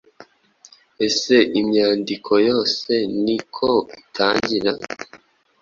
Ese imyandiko yose ni ko itangira